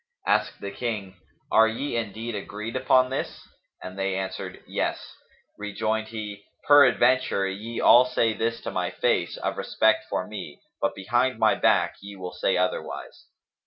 Asked the King, "Are ye indeed agreed upon this?" and they answered, "Yes." Rejoined he "Peradventure ye all say this to my face, of respect for me; but behind my back ye will say otherwise."